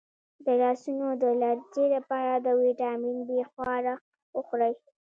د لاسونو د لرزې لپاره د ویټامین بي خواړه وخورئ